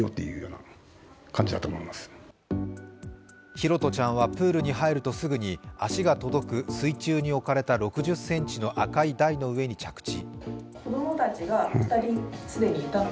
拓杜ちゃんはプールに入るとすぐに足が届く水中に置かれた６０ｃｍの赤い台の上に着地。